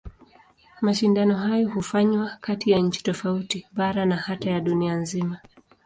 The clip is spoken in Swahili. Mashindano hayo hufanywa kati ya nchi tofauti, bara na hata ya dunia nzima.